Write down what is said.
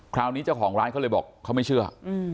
คราวนี้เจ้าของร้านเขาเลยบอกเขาไม่เชื่อ